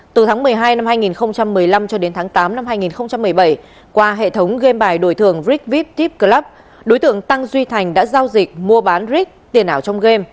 từ tháng một mươi hai năm hai nghìn một mươi năm cho đến tháng tám năm hai nghìn một mươi bảy qua hệ thống game bài đổi thường rig vip tip club đối tượng tăng duy thành đã giao dịch mua bán rig tiền ảo trong game